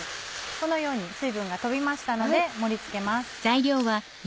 このように水分が飛びましたので盛り付けます。